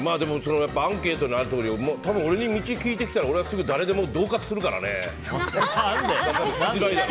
アンケートにあるとおり俺に道聞いてきたら俺はすぐ誰でも恫喝するからね。